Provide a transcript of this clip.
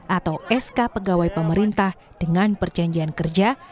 atau sk pegawai pemerintah dengan perjanjian kerja